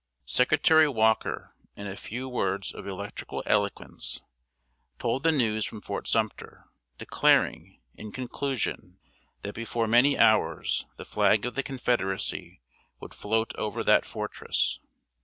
Secretary Walker, in a few words of electrical eloquence, told the news from Fort Sumter, declaring, in conclusion, that before many hours the flag of the Confederacy would float over that fortress.